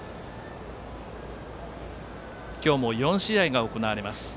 今日も４試合が行われます。